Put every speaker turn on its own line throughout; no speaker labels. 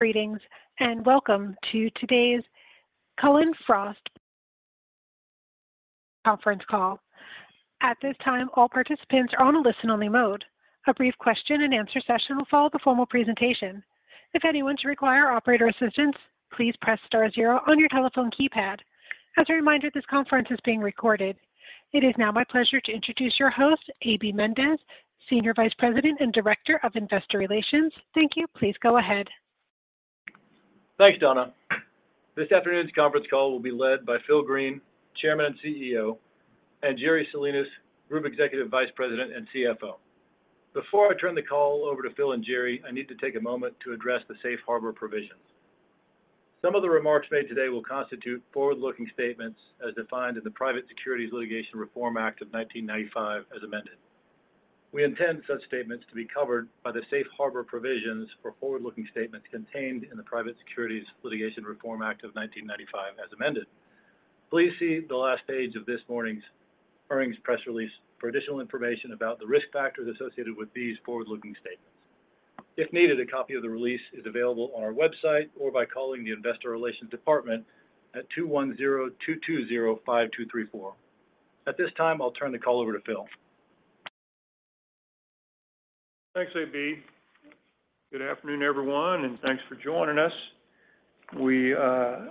Greetings, and welcome to today's Cullen/Frost conference call. At this time, all participants are on a listen-only mode. A brief question-and-answer session will follow the formal presentation. If anyone should require operator assistance, please press star zero on your telephone keypad. As a reminder, this conference is being recorded. It is now my pleasure to introduce your host, A.B. Mendez, Senior Vice President and Director of Investor Relations. Thank you. Please go ahead.
Thanks, Donna. This afternoon's conference call will be led by Phil Green, Chairman and CEO, and Jerry Salinas, Group Executive Vice President and CFO. Before I turn the call over to Phil and Jerry, I need to take a moment to address the Safe Harbor provisions. Some of the remarks made today will constitute forward-looking statements as defined in the Private Securities Litigation Reform Act of 1995, as amended. We intend such statements to be covered by the Safe Harbor provisions for forward-looking statements contained in the Private Securities Litigation Reform Act of 1995, as amended. Please see the last page of this morning's earnings press release for additional information about the risk factors associated with these forward-looking statements. If needed, a copy of the release is available on our website or by calling the Investor Relations Department at 210-220-5234. At this time, I'll turn the call over to Phil.
Thanks, AB. Good afternoon, everyone, thanks for joining us. We are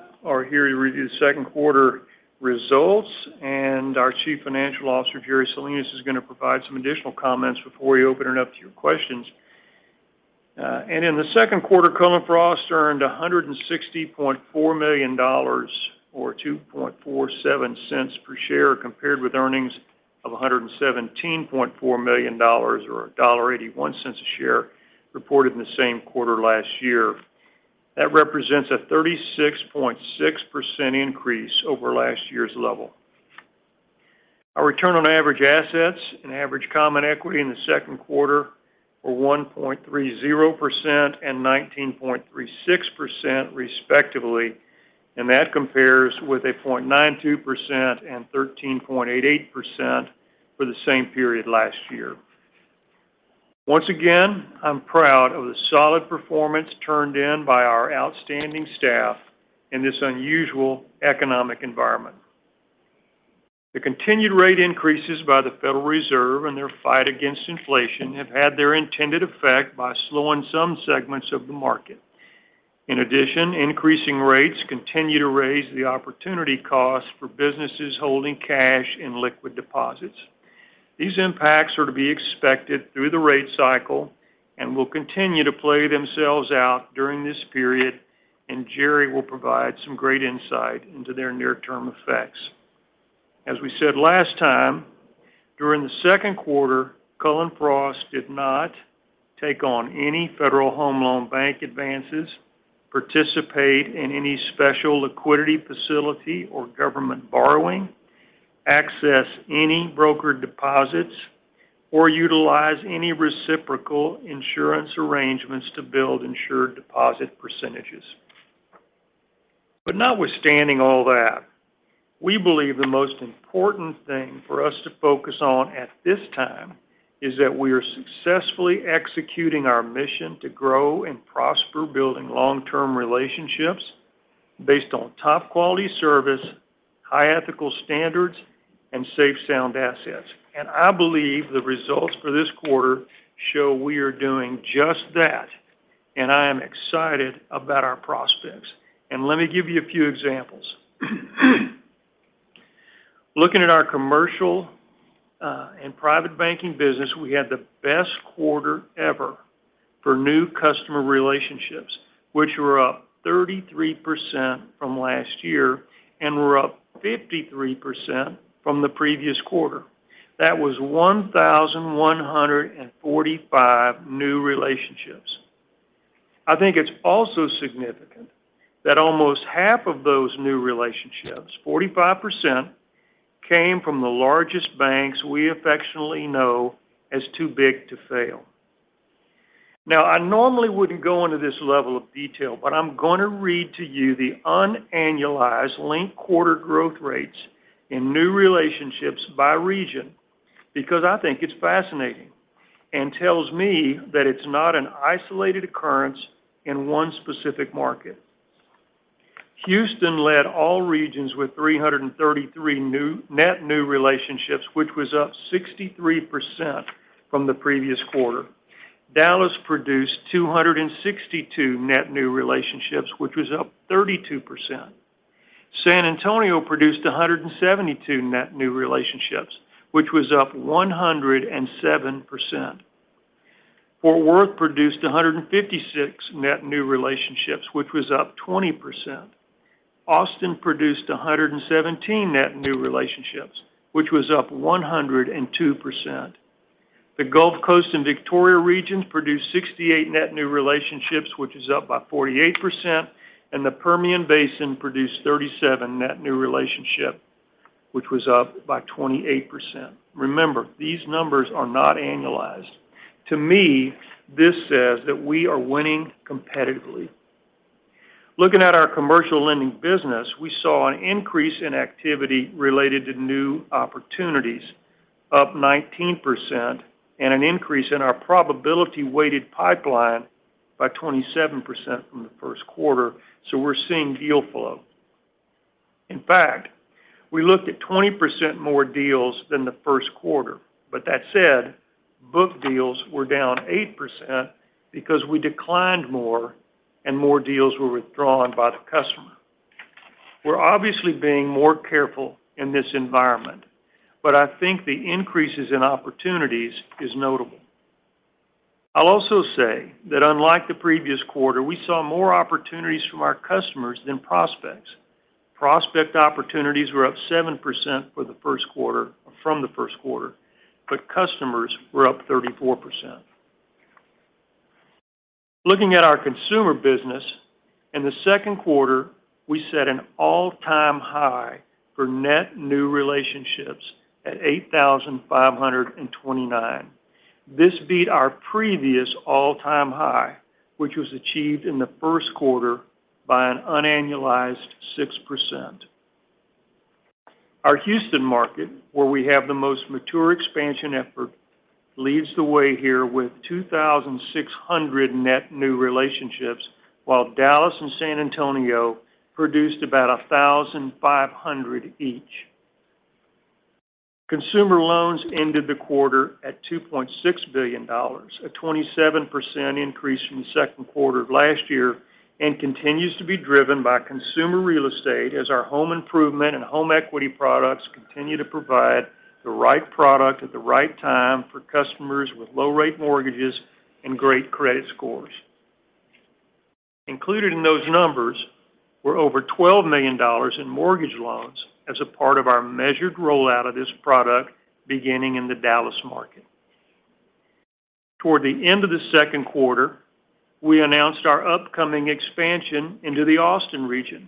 here to review the second quarter results. Our Chief Financial Officer, Jerry Salinas, is going to provide some additional comments before we open it up to your questions. In the second quarter, Cullen/Frost earned $160.4 million or $2.47 per share, compared with earnings of $117.4 million or $1.81 a share reported in the same quarter last year. That represents a 36.6% increase over last year's level. Our return on average assets and average common equity in the second quarter were 1.30% and 19.36%, respectively. That compares with 0.92% and 13.8% for the same period last year. Once again, I'm proud of the solid performance turned in by our outstanding staff in this unusual economic environment. The continued rate increases by the Federal Reserve and their fight against inflation have had their intended effect by slowing some segments of the market. In addition, increasing rates continue to raise the opportunity costs for businesses holding cash in liquid deposits. These impacts are to be expected through the rate cycle and will continue to play themselves out during this period, and Jerry will provide some great insight into their near-term effects. As we said last time, during the second quarter, Cullen/Frost did not take on any Federal Home Loan Bank advances, participate in any special liquidity facility or government borrowing, access any broker deposits, or utilize any reciprocal insurance arrangements to build insured deposit percentages. Notwithstanding all that, we believe the most important thing for us to focus on at this time is that we are successfully executing our mission to grow and prosper, building long-term relationships based on top quality service, high ethical standards, and safe, sound assets. I believe the results for this quarter show we are doing just that, and I am excited about our prospects. Let me give you a few examples. Looking at our commercial and private banking business, we had the best quarter ever for new customer relationships, which were up 33% from last year and were up 53% from the previous quarter. That was 1,145 new relationships. I think it's also significant that almost half of those new relationships, 45%, came from the largest banks we affectionately know as Too Big to Fail. Now, I normally wouldn't go into this level of detail, but I'm going to read to you the unannualized linked quarter growth rates in new relationships by region, because I think it's fascinating and tells me that it's not an isolated occurrence in one specific market. Houston led all regions with 333 net new relationships, which was up 63% from the previous quarter. Dallas produced 262 net new relationships, which was up 32%. San Antonio produced 172 net new relationships, which was up 107%. Fort Worth produced 156 net new relationships, which was up 20%. Austin produced 117 net new relationships, which was up 102%. The Gulf Coast and Victoria regions produced 68 net new relationships, which is up by 48%, and the Permian Basin produced 37 net new relationship, which was up by 28%. Remember, these numbers are not annualized. To me, this says that we are winning competitively. Looking at our commercial lending business, we saw an increase in activity related to new opportunities, up 19%, and an increase in our probability weighted pipeline by 27% from the first quarter. We're seeing deal flow. In fact, we looked at 20% more deals than the first quarter. That said, book deals were down 8% because we declined more and more deals were withdrawn by the customer. We're obviously being more careful in this environment, but I think the increases in opportunities is notable. I'll also say that unlike the previous quarter, we saw more opportunities from our customers than prospects. Prospect opportunities were up 7% from the first quarter. Customers were up 34%. Looking at our consumer business, in the second quarter, we set an all-time high for net new relationships at 8,529. This beat our previous all-time high, which was achieved in the first quarter by an unannualized 6%. Our Houston market, where we have the most mature expansion effort, leads the way here with 2,600 net new relationships, while Dallas and San Antonio produced about 1,500 each. Consumer loans ended the quarter at $2.6 billion, a 27% increase from the second quarter of last year, and continues to be driven by consumer real estate as our home improvement and home equity products continue to provide the right product at the right time for customers with low rate mortgages and great credit scores. Included in those numbers were over $12 million in mortgage loans as a part of our measured rollout of this product, beginning in the Dallas market. Toward the end of the second quarter, we announced our upcoming expansion into the Austin region,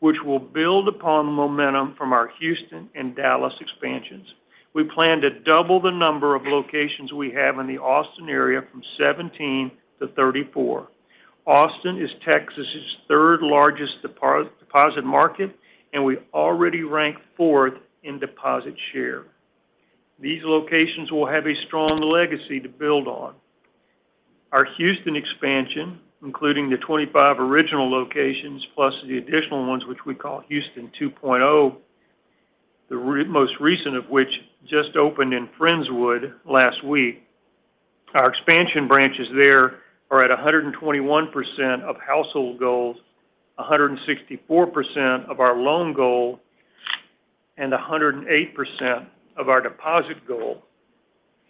which will build upon the momentum from our Houston and Dallas expansions. We plan to double the number of locations we have in the Austin area from 17 to 34. Austin is Texas's third-largest deposit market, and we already rank fourth in deposit share. These locations will have a strong legacy to build on. Our Houston expansion, including the 25 original locations, plus the additional ones, which we call Houston 2.0, the most recent of which just opened in Friendswood last week. Our expansion branches there are at 121% of household goals, 164% of our loan goal, and 108% of our deposit goal.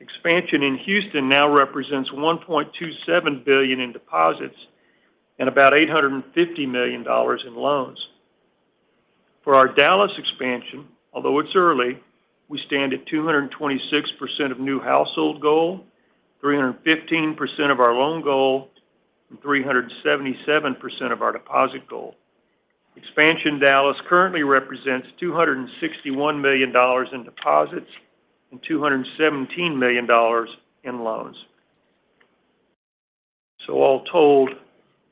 Expansion in Houston now represents $1.27 billion in deposits and about $850 million in loans. For our Dallas expansion, although it's early, we stand at 226% of new household goal, 315% of our loan goal, and 377% of our deposit goal. Expansion in Dallas currently represents $261 million in deposits and $217 million in loans. All told,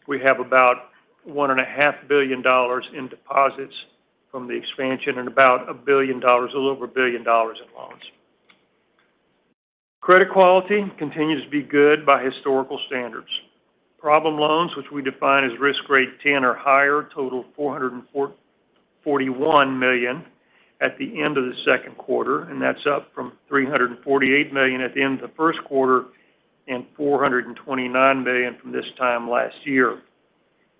we have about one and a half billion dollars in deposits from the expansion and about $1 billion, a little over $1 billion in loans. Credit quality continues to be good by historical standards. Problem loans, which we define as risk grade 10 or higher, total $441 million at the end of the second quarter, and that's up from $348 million at the end of the first quarter and $429 million from this time last year.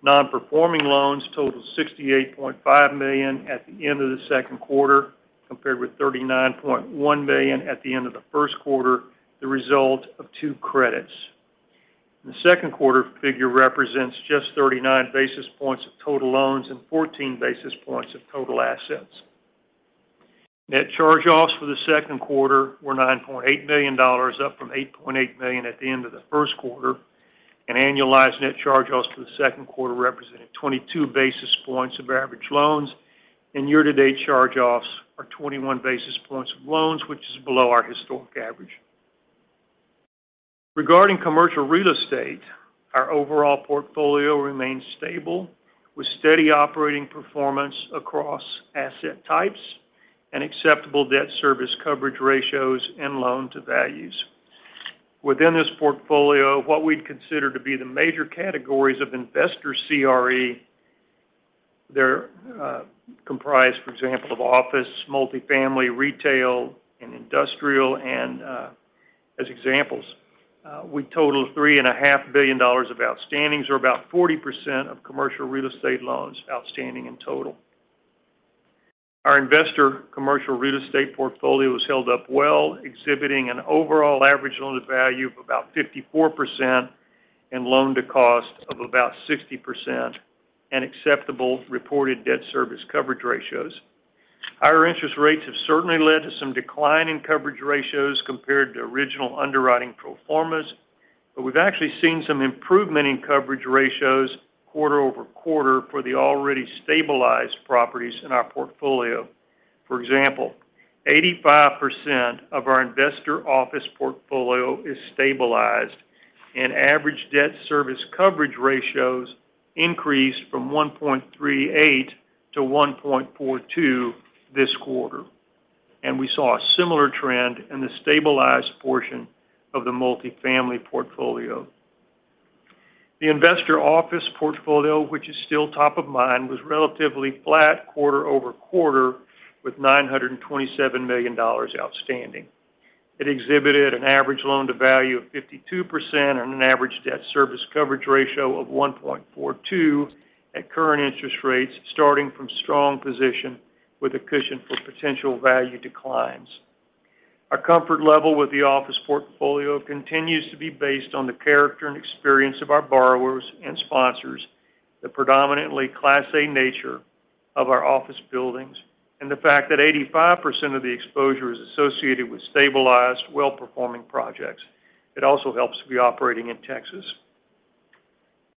Non-performing loans totaled $68.5 million at the end of the second quarter, compared with $39.1 million at the end of the first quarter, the result of two credits. The second quarter figure represents just 39 basis points of total loans and 14 basis points of total assets. Net charge-offs for the second quarter were $9.8 million, up from $8.8 million at the end of the first quarter. Annualized net charge-offs for the second quarter represented 22 basis points of average loans, year-to-date charge-offs are 21 basis points of loans, which is below our historic average. Regarding commercial real estate, our overall portfolio remains stable, with steady operating performance across asset types and acceptable debt service coverage ratios and loan-to-values. Within this portfolio, what we'd consider to be the major categories of investor CRE, they're comprised, for example, of office, multifamily, retail, and industrial. As examples, we total $3.5 billion of outstandings, or about 40% of commercial real estate loans outstanding in total. Our investor commercial real estate portfolio has held up well, exhibiting an overall average loan-to-value of about 54% and loan-to-cost of about 60% and acceptable reported debt service coverage ratios. Higher interest rates have certainly led to some decline in coverage ratios compared to original underwriting pro formas. We've actually seen some improvement in coverage ratios quarter-over-quarter for the already stabilized properties in our portfolio. For example, 85% of our investor office portfolio is stabilized, and average debt service coverage ratios increased from 1.38 to 1.42 this quarter, and we saw a similar trend in the stabilized portion of the multifamily portfolio. The investor office portfolio, which is still top of mind, was relatively flat quarter-over-quarter, with $927 million outstanding. It exhibited an average loan-to-value of 52% on an average debt service coverage ratio of 1.42 at current interest rates, starting from strong position with a cushion for potential value declines. Our comfort level with the office portfolio continues to be based on the character and experience of our borrowers and sponsors, the predominantly Class A nature of our office buildings, and the fact that 85% of the exposure is associated with stabilized, well-performing projects. It also helps to be operating in Texas.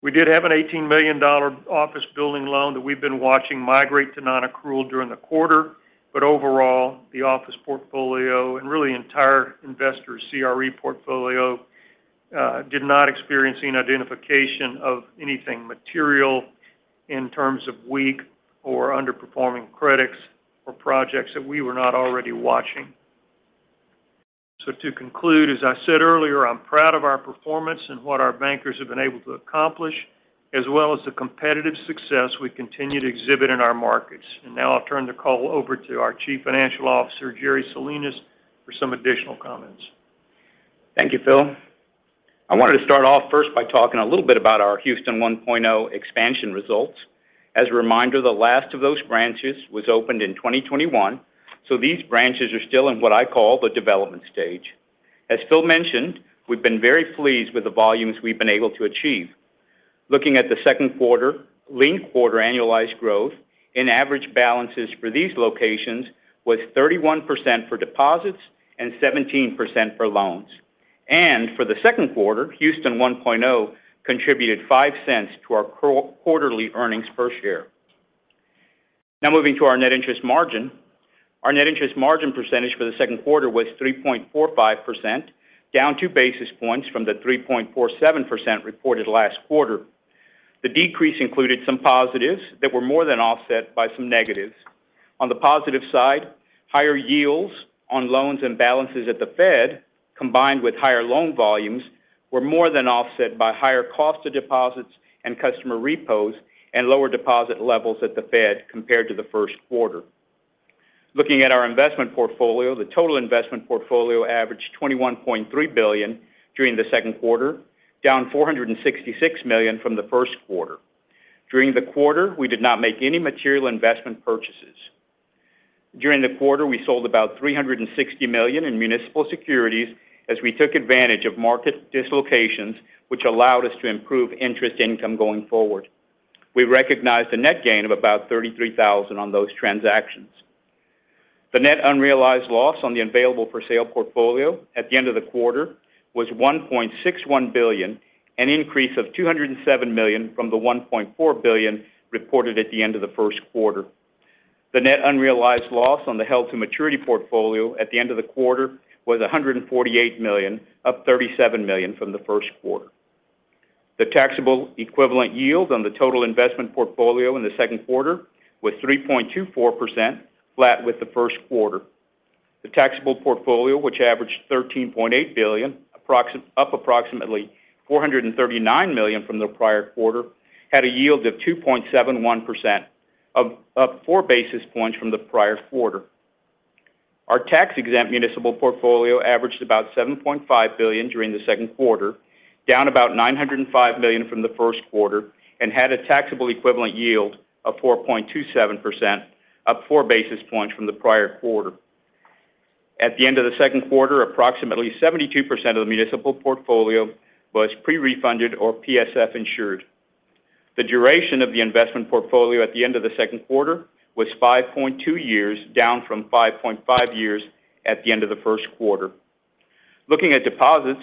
We did have an $18 million office building loan that we've been watching migrate to non-accrual during the quarter. Overall, the office portfolio and really entire investor CRE portfolio did not experience any identification of anything material in terms of weak or underperforming credits or projects that we were not already watching. To conclude, as I said earlier, I'm proud of our performance and what our bankers have been able to accomplish, as well as the competitive success we continue to exhibit in our markets. Now I'll turn the call over to our Chief Financial Officer, Jerry Salinas, for some additional comments.
Thank you, Phil. I wanted to start off first by talking a little bit about our Houston 1.0 expansion results. As a reminder, the last of those branches was opened in 2021, so these branches are still in what I call the development stage. As Phil mentioned, we've been very pleased with the volumes we've been able to achieve. Looking at the second quarter, linked quarter annualized growth and average balances for these locations was 31% for deposits and 17% for loans. For the second quarter, Houston 1.0 contributed $0.05 to our quarterly earnings per share. Moving to our net interest margin. Our net interest margin percentage for the second quarter was 3.45%, down 2 basis points from the 3.47% reported last quarter. The decrease included some positives that were more than offset by some negatives. On the positive side, higher yields on loans and balances at the Fed, combined with higher loan volumes, were more than offset by higher cost of deposits and customer repos and lower deposit levels at the Fed compared to the first quarter. Looking at our investment portfolio, the total investment portfolio averaged $21.3 billion during the second quarter, down $466 million from the first quarter. During the quarter, we did not make any material investment purchases. During the quarter, we sold about $360 million in municipal securities as we took advantage of market dislocations, which allowed us to improve interest income going forward. We recognized a net gain of about $33,000 on those transactions. The net unrealized loss on the available for sale portfolio at the end of the quarter was $1.61 billion, an increase of $207 million from the $1.4 billion reported at the end of the first quarter. The net unrealized loss on the held to maturity portfolio at the end of the quarter was $148 million, up $37 million from the first quarter. The taxable equivalent yields on the total investment portfolio in the second quarter was 3.24%, flat with the first quarter. The taxable portfolio, which averaged $13.8 billion, up approximately $439 million from the prior quarter, had a yield of 2.71%, up 4 basis points from the prior quarter. Our tax-exempt municipal portfolio averaged about $7.5 billion during the second quarter, down about $905 million from the first quarter, and had a taxable equivalent yield of 4.27%, up 4 basis points from the prior quarter. At the end of the second quarter, approximately 72% of the municipal portfolio was pre-refunded or PSF insured. The duration of the investment portfolio at the end of the second quarter was 5.2 years, down from 5.5 years at the end of the first quarter. Looking at deposits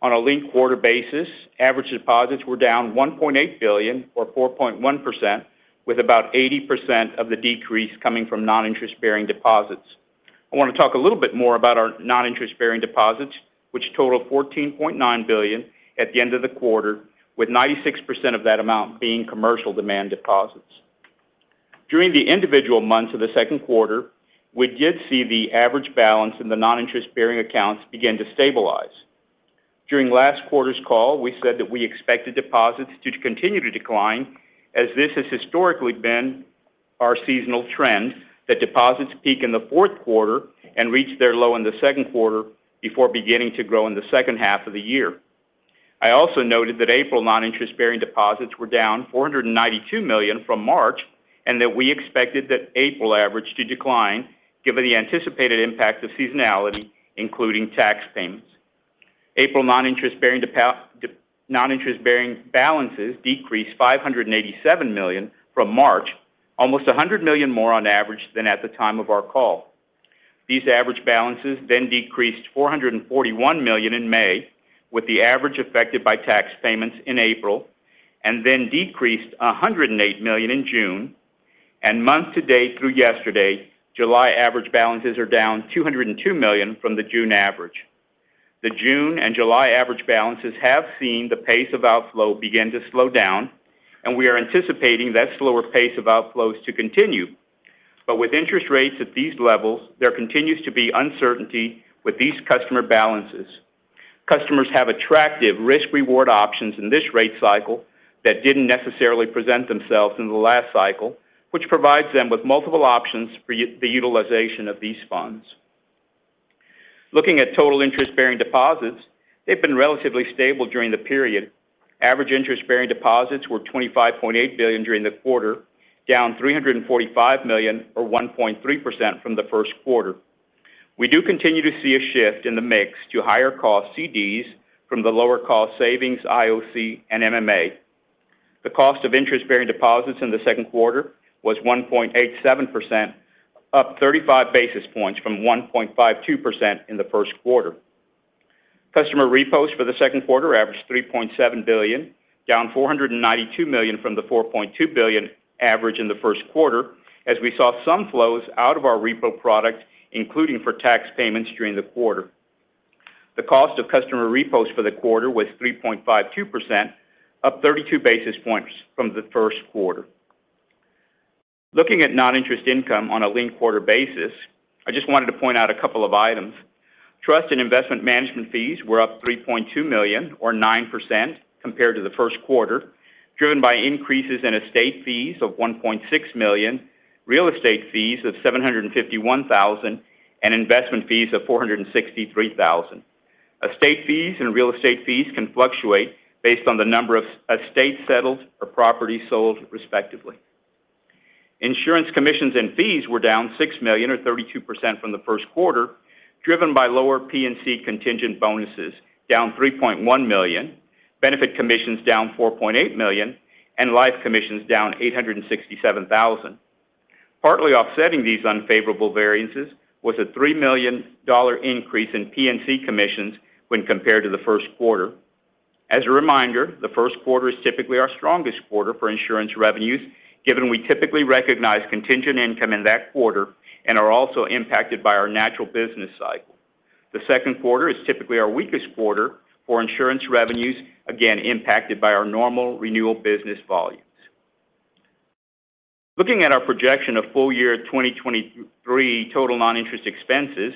on a linked-quarter basis, average deposits were down $1.8 billion or 4.1%, with about 80% of the decrease coming from non-interest-bearing deposits. I want to talk a little bit more about our non-interest-bearing deposits, which totaled $14.9 billion at the end of the quarter, with 96% of that amount being commercial demand deposits. During the individual months of the second quarter, we did see the average balance in the non-interest-bearing accounts begin to stabilize. During last quarter's call, we said that we expected deposits to continue to decline, as this has historically been our seasonal trend, that deposits peak in the fourth quarter and reach their low in the second quarter before beginning to grow in the second half of the year. I also noted that April non-interest-bearing deposits were down $492 million from March, and that we expected that April average to decline, given the anticipated impact of seasonality, including tax payments. April non-interest-bearing non-interest-bearing balances decreased $587 million from March, almost $100 million more on average than at the time of our call. These average balances decreased $441 million in May, with the average affected by tax payments in April, and then decreased $108 million in June. Month to date through yesterday, July average balances are down $202 million from the June average. The June and July average balances have seen the pace of outflow begin to slow down. We are anticipating that slower pace of outflows to continue. With interest rates at these levels, there continues to be uncertainty with these customer balances. Customers have attractive risk-reward options in this rate cycle that didn't necessarily present themselves in the last cycle, which provides them with multiple options for the utilization of these funds. Looking at total interest-bearing deposits, they've been relatively stable during the period. Average interest-bearing deposits were $25.8 billion during the quarter, down $345 million, or 1.3% from the first quarter. We do continue to see a shift in the mix to higher cost CDs from the lower cost savings, IOC, and MMA. The cost of interest-bearing deposits in the second quarter was 1.87%, up 35 basis points from 1.52% in the first quarter. Customer repos for the second quarter averaged $3.7 billion, down $492 million from the $4.2 billion average in the first quarter, as we saw some flows out of our repo product, including for tax payments during the quarter. The cost of customer repos for the quarter was 3.52%, up 32 basis points from the first quarter. Looking at non-interest income on a linked quarter basis, I just wanted to point out a couple of items. Trust and investment management fees were up $3.2 million, or 9% compared to the first quarter, driven by increases in estate fees of $1.6 million, real estate fees of $751,000, and investment fees of $463,000. Estate fees and real estate fees can fluctuate based on the number of estates settled or properties sold, respectively. Insurance commissions and fees were down $6 million, or 32% from the first quarter, driven by lower P&C contingent bonuses, down $3.1 million, benefit commissions down $4.8 million, and life commissions down $867,000. Partly offsetting these unfavorable variances was a $3 million increase in P&C commissions when compared to the first quarter. As a reminder, the first quarter is typically our strongest quarter for insurance revenues, given we typically recognize contingent income in that quarter and are also impacted by our natural business cycle. The second quarter is typically our weakest quarter for insurance revenues, again, impacted by our normal renewal business volumes. Looking at our projection of full year 2023 total non-interest expenses,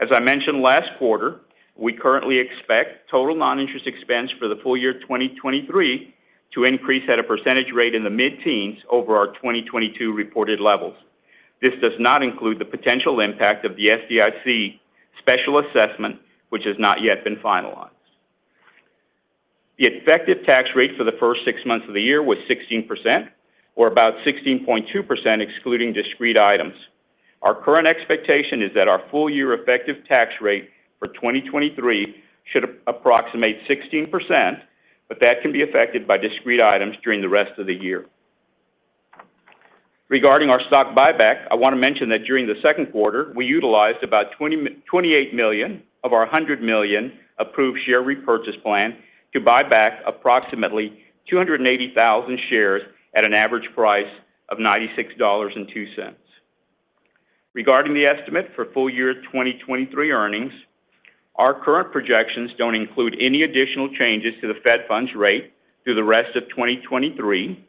as I mentioned last quarter, we currently expect total non-interest expense for the full year 2023 to increase at a percentage rate in the mid-teens over our 2022 reported levels. This does not include the potential impact of the FDIC special assessment, which has not yet been finalized. The effective tax rate for the first 6 months of the year was 16%, or about 16.2%, excluding discrete items. Our current expectation is that our full year effective tax rate for 2023 should approximate 16%, but that can be affected by discrete items during the rest of the year. Regarding our stock buyback, I want to mention that during the second quarter, we utilized about $28 million of our $100 million approved share repurchase plan to buy back approximately 280,000 shares at an average price of $96.02. Regarding the estimate for full year 2023 earnings, our current projections don't include any additional changes to the Fed funds rate through the rest of 2023.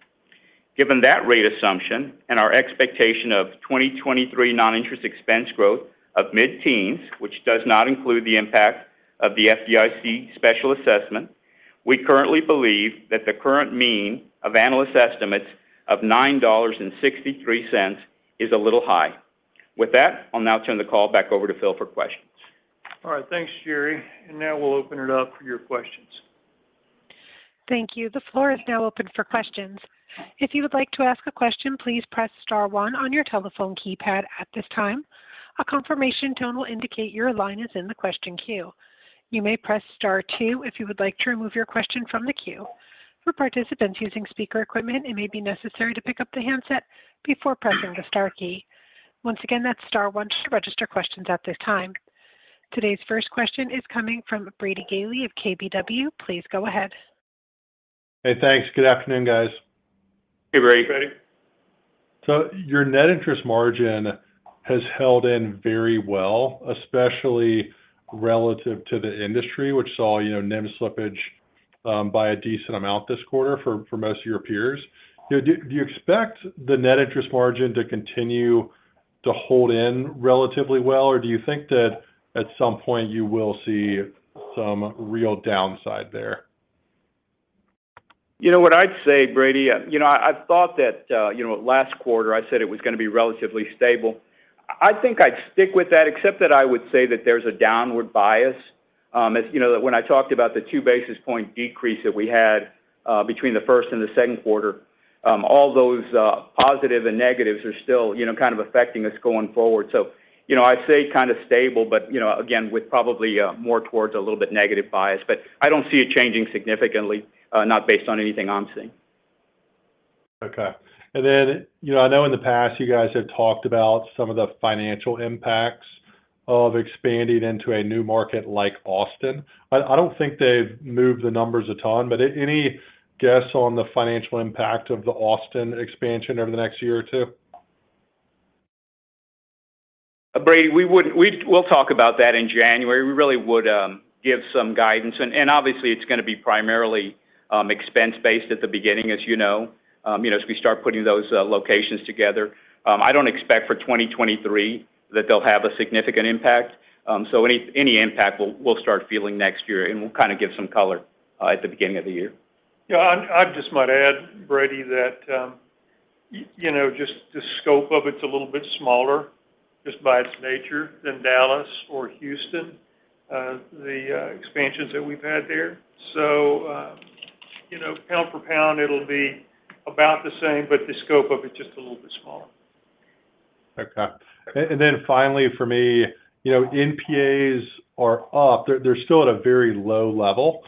Given that rate assumption and our expectation of 2023 non-interest expense growth of mid-teens, which does not include the impact of the FDIC special assessment, we currently believe that the current mean of analyst estimates of $9.63 is a little high. With that, I'll now turn the call back over to Phil for questions.
All right, thanks, Jerry. Now we'll open it up for your questions.
Thank you. The floor is now open for questions. If you would like to ask a question, please press star one on your telephone keypad at this time. A confirmation tone will indicate your line is in the question queue. You may press star two if you would like to remove your question from the queue. For participants using speaker equipment, it may be necessary to pick up the handset before pressing the star key. Once again, that's star one to register questions at this time. Today's first question is coming from Brady Gailey of KBW. Please go ahead.
Hey, thanks. Good afternoon, guys.
Hey, Brady.
Brady.
Your net interest margin has held in very well, especially relative to the industry, which saw, you know, NIM slippage, by a decent amount this quarter for most of your peers. Do you expect the net interest margin to continue to hold in relatively well, or do you think that at some point you will see some real downside there?
You know what I'd say, Brady? You know, I thought that, you know, last quarter I said it was going to be relatively stable. I think I'd stick with that, except that I would say that there's a downward bias. As you know, that when I talked about the 2 basis point decrease that we had between the first and the second quarter, all those positive and negatives are still, you know, kind of affecting us going forward. You know, I'd say kind of stable, but, you know, again, with probably more towards a little bit negative bias. I don't see it changing significantly, not based on anything I'm seeing.
Okay. You know, I know in the past, you guys have talked about some of the financial impacts of expanding into a new market like Austin. I don't think they've moved the numbers a ton, any guess on the financial impact of the Austin expansion over the next year or two?
Brady, we'll talk about that in January. We really would give some guidance, and obviously, it's gonna be primarily expense-based at the beginning, as you know. You know, as we start putting those locations together. I don't expect for 2023 that they'll have a significant impact. Any impact, we'll start feeling next year, and we'll kind of give some color at the beginning of the year.
Yeah, I just might add, Brady, that, you know, just the scope of it's a little bit smaller, just by its nature, than Dallas or Houston, the expansions that we've had there. You know, pound for pound, it'll be about the same, but the scope of it just a little bit smaller.
Okay. Finally, for me, you know, NPAs are up. They're still at a very low level,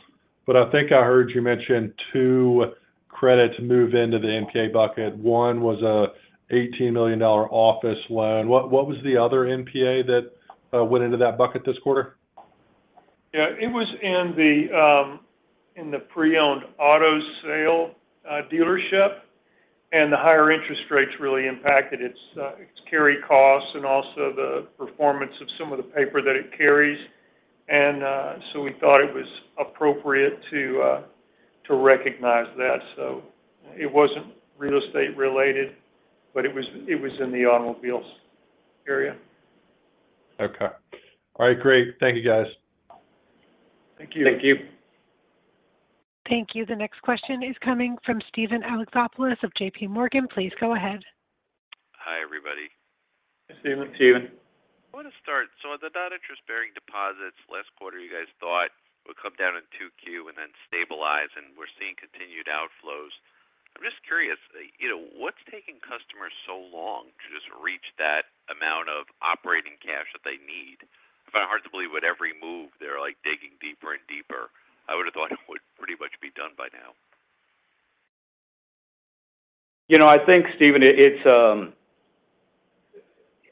but I think I heard you mention two credits move into the NPA bucket. One was a $80 million office loan. What was the other NPA that went into that bucket this quarter?
Yeah, it was in the pre-owned auto sale dealership, and the higher interest rates really impacted its carry costs and also the performance of some of the paper that it carries. We thought it was appropriate to recognize that. It wasn't real estate related, but it was in the automobiles area.
Okay. All right, great. Thank you, guys.
Thank you.
Thank you.
Thank you. The next question is coming from Steven Alexopoulos of JPMorgan. Please go ahead.
Hi, everybody.
Hey, Steven.
Steven.
I want to start. The non-interest-bearing deposits last quarter, you guys thought would come down in 2Q and then stabilize, and we're seeing continued outflows. I'm just curious, you know, what's taking customers so long to just reach that amount of operating cash that they need? I find it hard to believe with every move, they're, like, digging deeper and deeper. I would have thought it would pretty much be done by now.
You know, I think, Steven, it's,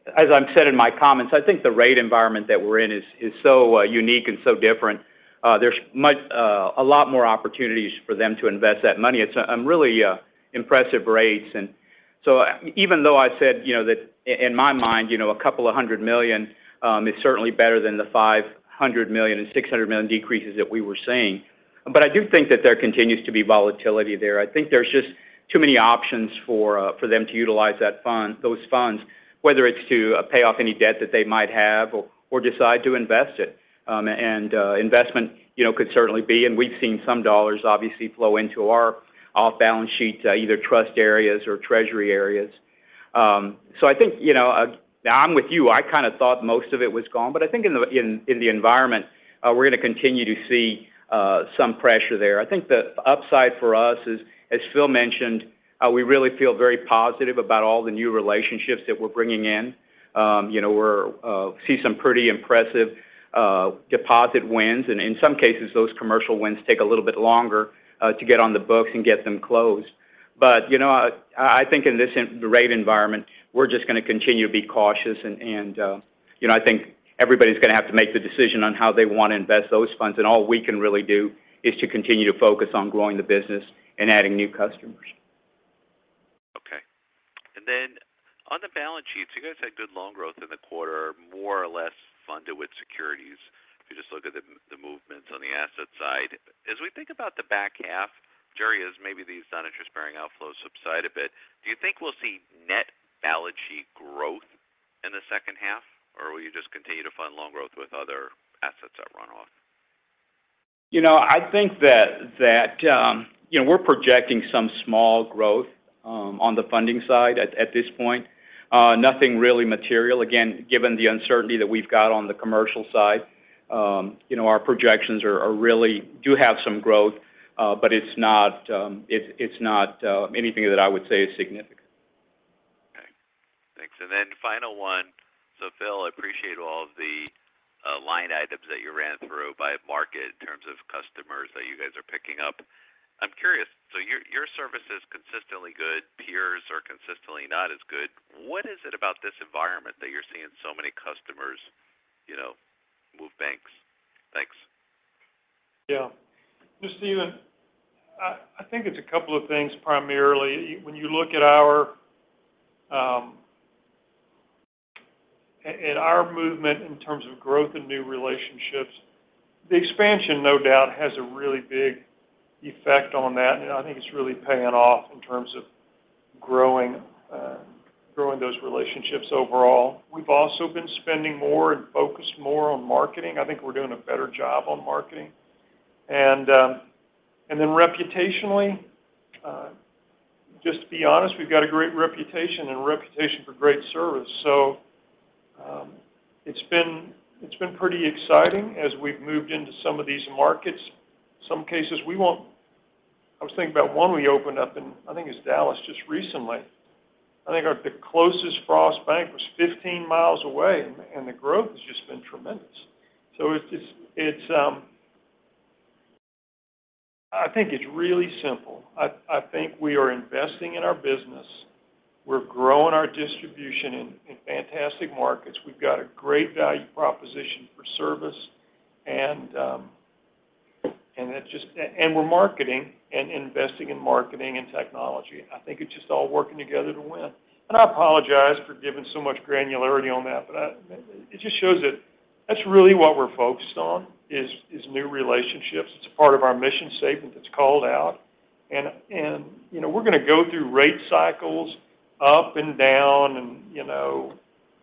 as I've said in my comments, I think the rate environment that we're in is so unique and so different. There's much a lot more opportunities for them to invest that money. It's really impressive rates. Even though I said, you know, that in my mind, you know, a couple of $100 million is certainly better than the $500 million and $600 million decreases that we were seeing. I do think that there continues to be volatility there. I think there's just too many options for them to utilize those funds, whether it's to pay off any debt that they might have or, or decide to invest it. Investment, you know, could certainly be, and we've seen some dollars obviously flow into our off-balance sheet, either trust areas or treasury areas. I think, you know, I'm with you. I kind of thought most of it was gone, but I think in the environment, we're going to continue to see some pressure there. I think the upside for us is, as Phil mentioned, we really feel very positive about all the new relationships that we're bringing in. You know, we're see some pretty impressive deposit wins, and in some cases, those commercial wins take a little bit longer to get on the books and get them closed. You know, I think in this the rate environment, we're just gonna continue to be cautious and, you know, I think everybody's gonna have to make the decision on how they want to invest those funds. All we can really do is to continue to focus on growing the business and adding new customers.
Okay. On the balance sheet, you guys had good loan growth in the quarter, more or less funded with securities, if you just look at the movements on the asset side. As we think about the back half, maybe these non-interest-bearing outflows subside a bit, do you think we'll see net balance sheet growth in the second half, or will you just continue to fund loan growth with other assets at run off?
You know, I think that, you know, we're projecting some small growth on the funding side at this point. Nothing really material. Again, given the uncertainty that we've got on the commercial side, you know, our projections do have some growth, but it's not anything that I would say is significant.
Okay. Thanks. Final one: Phil, I appreciate all of the line items that you ran through by market in terms of customers that you guys are picking up. I'm curious, your, your service is consistently good, peers are consistently not as good. What is it about this environment that you're seeing so many customers, you know, move banks? Thanks.
Yeah. Steven, I think it's a couple of things, primarily. When you look at our at our movement in terms of growth and new relationships, the expansion, no doubt, has a really big effect on that, I think it's really paying off in terms of growing those relationships overall. We've also been spending more and focused more on marketing. I think we're doing a better job on marketing. Reputationally, just to be honest, we've got a great reputation and a reputation for great service. It's been pretty exciting as we've moved into some of these markets. Some cases, I was thinking about one we opened up in, I think it's Dallas, just recently. I think our, the closest Frost Bank was 15 miles away, and the growth has just been tremendous. I think it's really simple. I think we are investing in our business. We're growing our distribution in fantastic markets. We've got a great value proposition for service, and we're marketing and investing in marketing and technology. I think it's just all working together to win. I apologize for giving so much granularity on that, but it just shows that that's really what we're focused on is new relationships. It's part of our mission statement. It's called out, and, you know, we're going to go through rate cycles up and down, and, you know,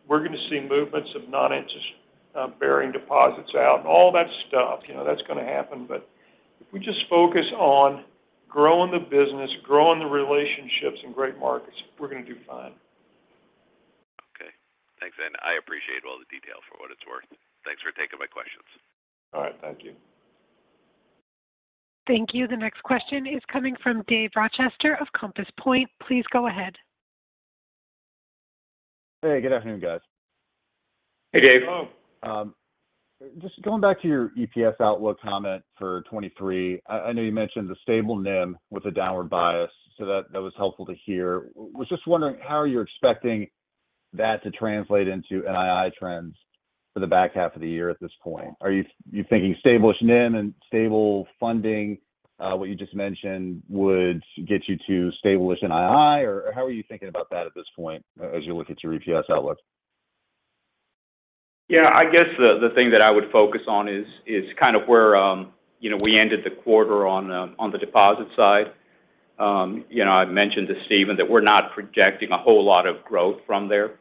we're going to see movements of non-interest bearing deposits out and all that stuff. You know, that's going to happen. If we just focus on growing the business, growing the relationships in great markets, we're going to do fine.
Okay. Thanks, and I appreciate all the detail for what it's worth. Thanks for taking my questions.
All right. Thank you.
Thank you. The next question is coming from Dave Rochester of Compass Point. Please go ahead.
Hey, good afternoon, guys.
Hey, Dave.
Hello.
Just going back to your EPS outlook comment for 2023. I know you mentioned a stable NIM with a downward bias, so that was helpful to hear. Was just wondering, how are you expecting that to translate into NII trends for the back half of the year at this point? Are you thinking stable NIM and stable funding, what you just mentioned, would get you to stable NII, or how are you thinking about that at this point as you look at your EPS outlook?
Yeah, I guess the thing that I would focus on is kind of where, you know, we ended the quarter on the deposit side. You know, I've mentioned to Steven that we're not projecting a whole lot of growth from there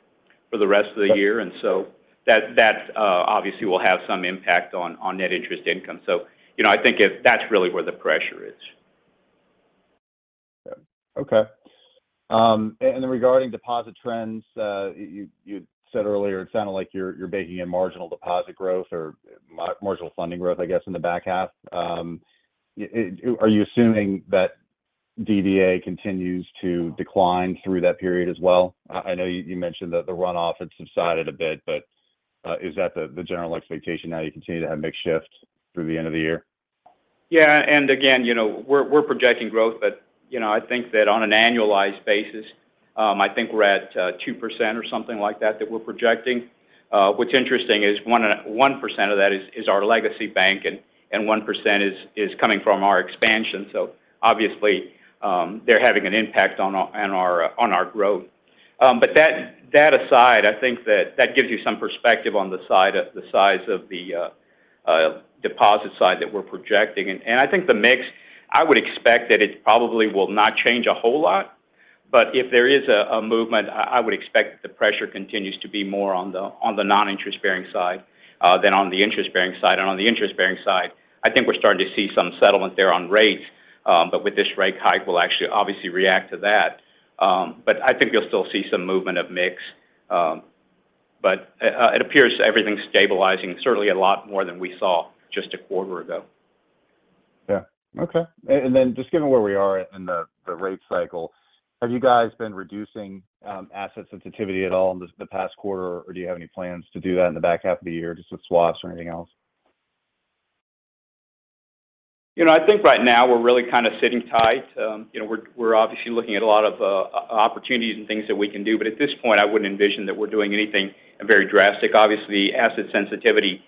for the rest of the year. That, obviously, will have some impact on net interest income. You know, I think that's really where the pressure is.
Regarding deposit trends, you said earlier, it sounded like you're baking in marginal deposit growth or marginal funding growth, I guess, in the back half. Are you assuming that DDA continues to decline through that period as well? I know you mentioned that the runoff had subsided a bit, is that the general expectation now, you continue to have mix shift through the end of the year?
Yeah, again, you know, we're projecting growth, but, you know, I think that on an annualized basis, I think we're at 2% or something like that, that we're projecting. What's interesting is 1% of that is our legacy bank, and 1% is coming from our expansion. Obviously, they're having an impact on our growth. That aside, I think that that gives you some perspective on the size of the deposit side that we're projecting. I think the mix, I would expect that it probably will not change a whole lot, but if there is a movement, I would expect the pressure continues to be more on the non-interest-bearing side than on the interest-bearing side. On the interest-bearing side, I think we're starting to see some settlement there on rates, but with this rate hike, we'll actually obviously react to that. I think you'll still see some movement of mix. It appears everything's stabilizing, certainly a lot more than we saw just a quarter ago.
Yeah. Okay. Then just given where we are in the rate cycle, have you guys been reducing asset sensitivity at all in the past quarter, or do you have any plans to do that in the back half of the year, just with swaps or anything else?
You know, I think right now we're really kind of sitting tight. You know, we're obviously looking at a lot of opportunities and things that we can do. At this point, I wouldn't envision that we're doing anything very drastic. Obviously, asset sensitivity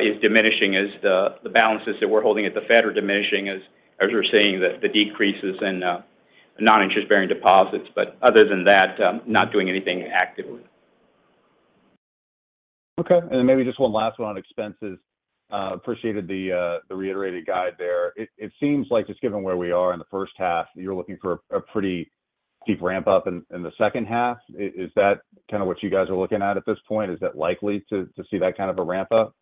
is diminishing as the balances that we're holding at the Fed are diminishing, as we're seeing the decreases in non-interest-bearing deposits. Other than that, not doing anything actively.
Okay. Maybe just one last one on expenses. Appreciated the reiterated guide there. It seems like just given where we are in the first half, you're looking for a pretty steep ramp-up in the second half. Is that kind of what you guys are looking at at this point? Is that likely to see that kind of a ramp-up?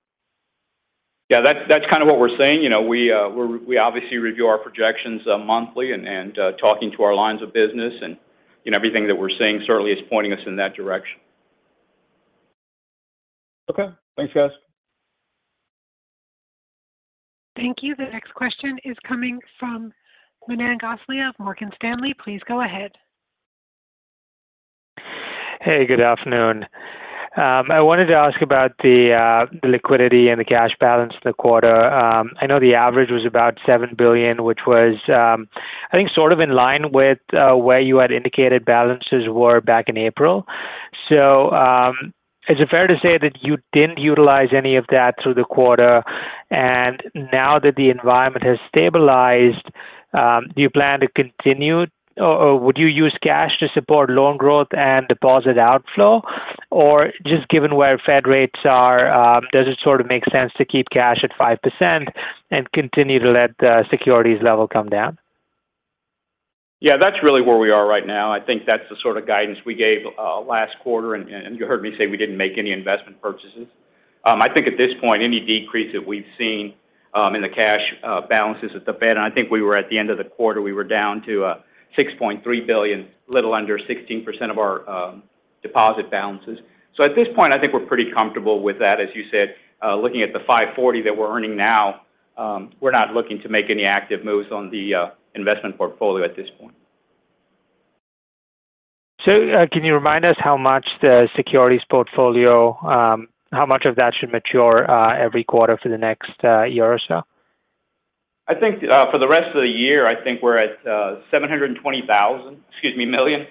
Yeah, that's kind of what we're saying. You know, we obviously review our projections monthly and talking to our lines of business, and, you know, everything that we're seeing certainly is pointing us in that direction.
Okay. Thanks, guys.
Thank you. The next question is coming from Manan Gosalia of Morgan Stanley. Please go ahead.
Hey, good afternoon. I wanted to ask about the the liquidity and the cash balance of the quarter. I know the average was about $7 billion, which was I think, sort of in line with where you had indicated balances were back in April. Is it fair to say that you didn't utilize any of that through the quarter? Now that the environment has stabilized, do you plan to continue or would you use cash to support loan growth and deposit outflow? Just given where Fed rates are, does it sort of make sense to keep cash at 5% and continue to let the securities level come down?
Yeah, that's really where we are right now. I think that's the sort of guidance we gave last quarter, and you heard me say we didn't make any investment purchases. I think at this point, any decrease that we've seen in the cash balances at the Fed, and I think we were at the end of the quarter, we were down to $6.3 billion, little under 16% of our deposit balances. At this point, I think we're pretty comfortable with that. As you said, looking at the 5.40% that we're earning now, we're not looking to make any active moves on the investment portfolio at this point.
Can you remind us how much the securities portfolio, how much of that should mature every quarter for the next year or so?
I think, for the rest of the year, I think we're at $720 million.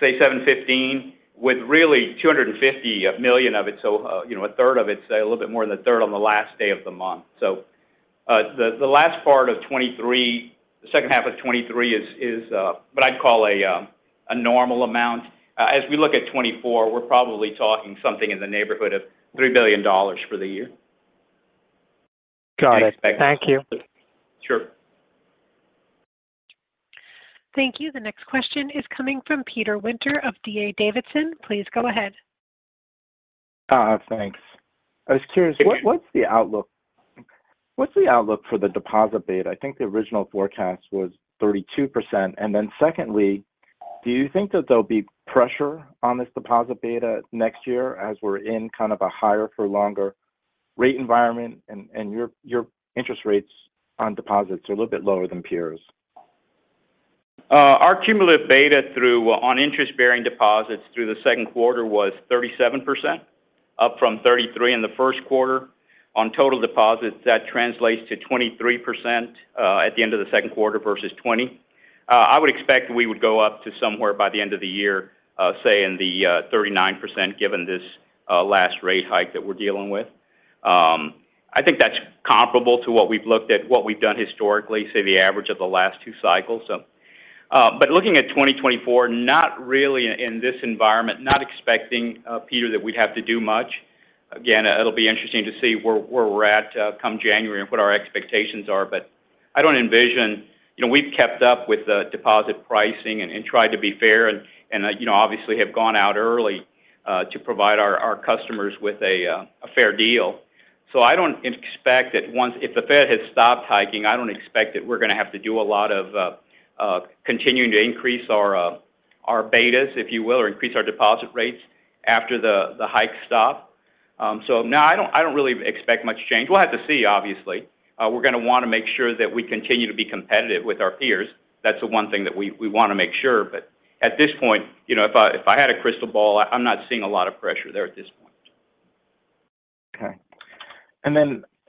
Say $715, with really $250 million of it. You know, a third of it, say, a little bit more than a third on the last day of the month. The last part of 2023, the second half of 2023 is what I'd call a normal amount. As we look at 2024, we're probably talking something in the neighborhood of $3 billion for the year.
Got it. Thank you.
Sure.
Thank you. The next question is coming from Peter Winter of D.A. Davidson. Please go ahead.
Thanks. I was curious, what's the outlook for the deposit beta? I think the original forecast was 32%. Secondly, do you think that there'll be pressure on this deposit beta next year, as we're in kind of a higher for longer rate environment and your interest rates on deposits are a little bit lower than peers?
Our cumulative beta through, on interest-bearing deposits through the second quarter was 37%, up from 33% in the first quarter. On total deposits, that translates to 23% at the end of the second quarter versus 20%. I would expect we would go up to somewhere by the end of the year, say, in the 39%, given this last rate hike that we're dealing with. I think that's comparable to what we've looked at, what we've done historically, say, the average of the last two cycles. Looking at 2024, not really in this environment, not expecting, Peter, that we'd have to do much. Again, it'll be interesting to see where, where we're at, come January and what our expectations are, but I don't envision... You know, we've kept up with the deposit pricing and, you know, tried to be fair and, obviously have gone out early to provide our customers with a fair deal. I don't expect that if the Fed has stopped hiking, I don't expect that we're gonna have to do a lot of continuing to increase our betas, if you will, or increase our deposit rates after the hikes stop. No, I don't really expect much change. We'll have to see, obviously. We're gonna wanna make sure that we continue to be competitive with our peers. That's the one thing that we wanna make sure, but at this point, you know, if I had a crystal ball, I'm not seeing a lot of pressure there at this point.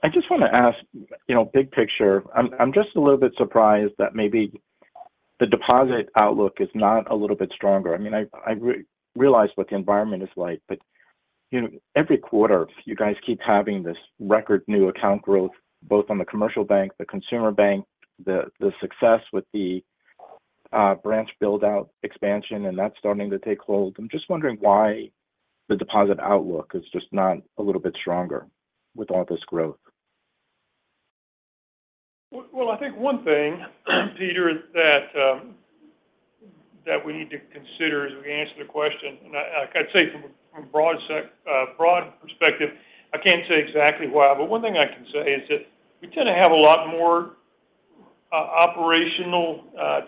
I just want to ask, you know, big picture, I'm just a little bit surprised that maybe the deposit outlook is not a little bit stronger. I mean, I realize what the environment is like, but, you know, every quarter, you guys keep having this record new account growth, both on the commercial bank, the consumer bank, the success with the branch build-out expansion, and that's starting to take hold. I'm just wondering why the deposit outlook is just not a little bit stronger with all this growth.
Well, I think one thing, Peter, is that we need to consider as we answer the question, and I'd say from a broad perspective, I can't say exactly why. One thing I can say is that we tend to have a lot more operational,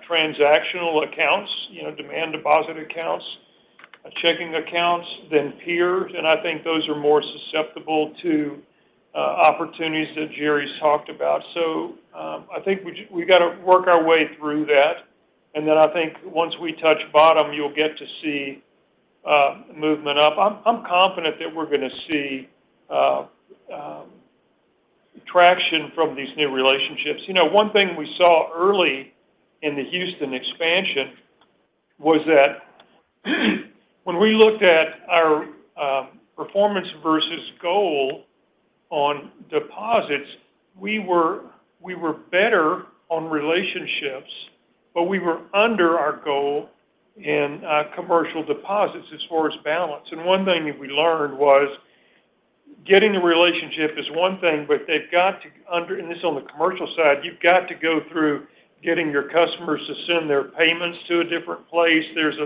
transactional accounts, you know, demand deposit accounts, checking accounts than peers, and I think those are more susceptible to opportunities that Jerry's talked about. I think we've got to work our way through that. Then I think once we touch bottom, you'll get to see movement up. I'm confident that we're gonna see traction from these new relationships. You know, one thing we saw early in the Houston expansion was that, when we looked at our, performance versus goal on deposits, we were better on relationships, but we were under our goal in, commercial deposits as far as balance. One thing that we learned was, getting a relationship is one thing, but they've got to under- and this on the commercial side, you've got to go through getting your customers to send their payments to a different place. There's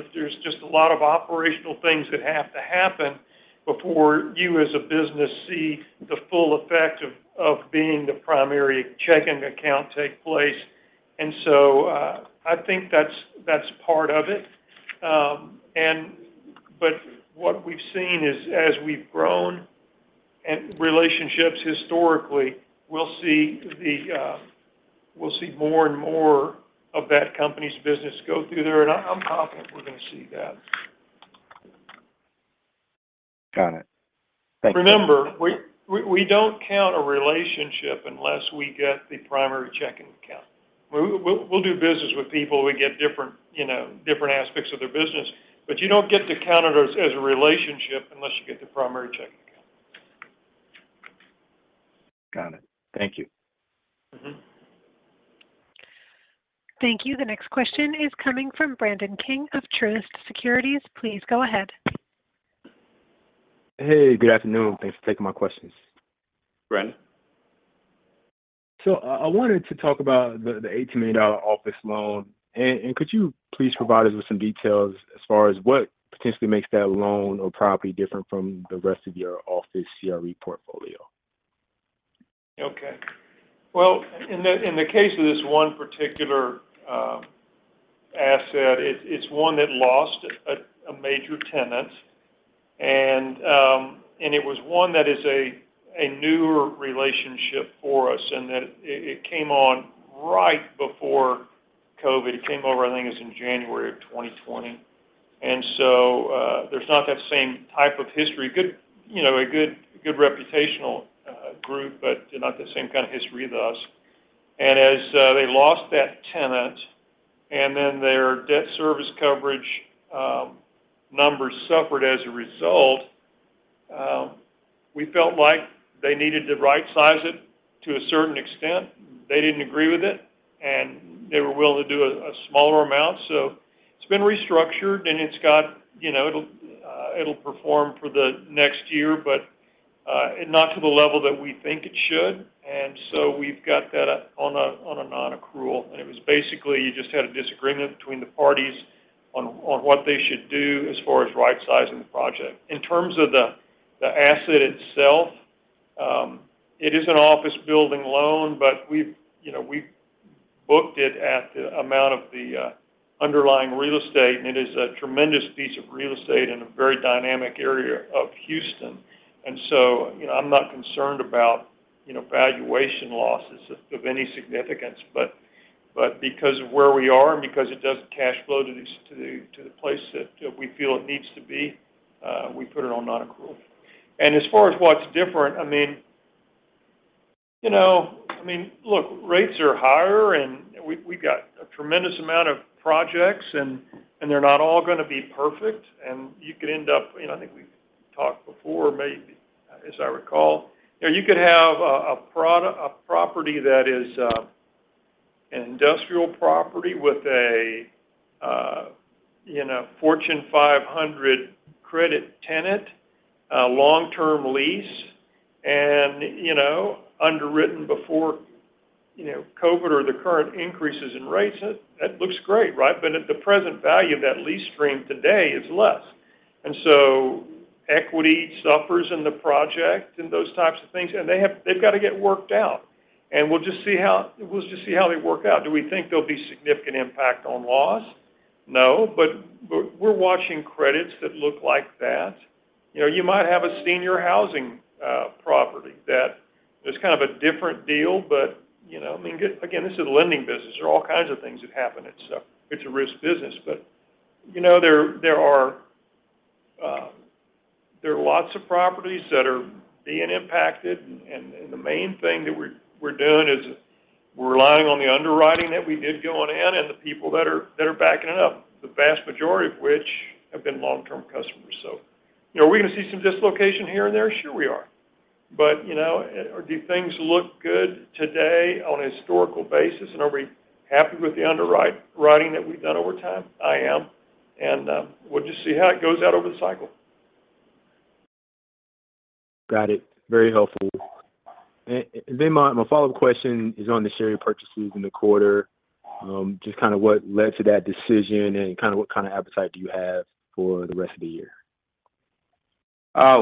just a lot of operational things that have to happen before you, as a business, see the full effect of being the primary checking account take place. I think that's part of it. What we've seen is, as we've grown and relationships historically, we'll see more and more of that company's business go through there, and I'm confident we're going to see that.
Got it. Thank you.
Remember, we don't count a relationship unless we get the primary checking account. We'll do business with people. We get different, you know, different aspects of their business. You don't get to count it as a relationship unless you get the primary checking account.
Got it. Thank you.
Thank you. The next question is coming from Brandon King of Truist Securities. Please go ahead.
Hey, good afternoon. Thanks for taking my questions.
Brandon.
I wanted to talk about the $18 million office loan, and could you please provide us with some details as far as what potentially makes that loan or property different from the rest of your office CRE portfolio?
Okay. Well, in the case of this one particular asset, it's one that lost a major tenant. It was one that is a newer relationship for us, and that it came on right before COVID. It came over, I think it was in January of 2020. There's not that same type of history. Good, you know, a good reputational group, but not the same kind of history with us. As they lost that tenant, then their debt service coverage numbers suffered as a result, we felt like they needed to right-size it to a certain extent. They didn't agree with it, and they were willing to do a smaller amount. It's been restructured and it's got, you know, it'll perform for the next year, but not to the level that we think it should. We've got that on a non-accrual. It was basically, you just had a disagreement between the parties on what they should do as far as right-sizing the project. In terms of the asset itself, it is an office building loan, but we've, you know, we've booked it at the amount of the underlying real estate, and it is a tremendous piece of real estate in a very dynamic area of Houston. You know, I'm not concerned about, you know, valuation losses of any significance. Because of where we are and because it doesn't cash flow to this, to the place that we feel it needs to be, we put it on non-accrual. As far as what's different, I mean, you know, I mean, look, rates are higher and we've got a tremendous amount of projects and they're not all going to be perfect, and you could end up. You know, I think we've talked before, maybe, as I recall, you know, you could have a property that is an industrial property with a, you know, Fortune 500 credit tenant, a long-term lease, and, you know, underwritten before, you know, COVID or the current increases in rates. That looks great, right? At the present value, that lease stream today is less. Equity suffers in the project and those types of things, and they've got to get worked out. We'll just see how, we'll just see how they work out. Do we think there'll be significant impact on loss? No, but we're, we're watching credits that look like that. You know, you might have a senior housing property that is kind of a different deal, but, you know, I mean, again, this is a lending business. There are all kinds of things that happen. It's, it's a risk business. You know, there are lots of properties that are being impacted, and, and the main thing that we're doing is we're relying on the underwriting that we did going in and the people that are, that are backing it up, the vast majority of which have been long-term customers. You know, are we going to see some dislocation here and there? Sure, we are. You know, do things look good today on a historical basis, and are we happy with the writing that we've done over time? I am, and we'll just see how it goes out over the cycle.
Got it. Very helpful. My follow-up question is on the share purchases in the quarter. Just what led to that decision and what kind of appetite do you have for the rest of the year?